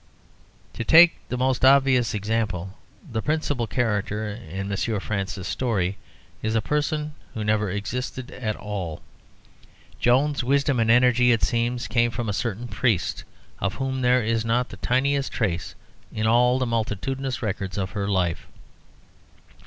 To take the most obvious example, the principal character in M. France's story is a person who never existed at all. All Joan's wisdom and energy, it seems, came from a certain priest, of whom there is not the tiniest trace in all the multitudinous records of her life.